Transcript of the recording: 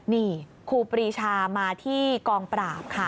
นี่ครูปรีชามาที่กองปราบค่ะ